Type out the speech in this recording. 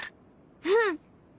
うん。